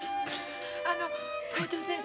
あの校長先生